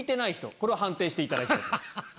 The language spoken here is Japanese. これを判定していただきたいと思います。